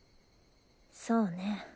そうね。